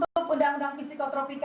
hai untuk undang undang fisikotropi